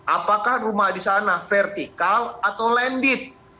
apakah rumah di sana vertikal atau landed